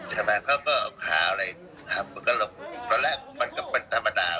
ทำไมเขาก็คาอะไรตอนแรกมันก็เป็นธรรมดา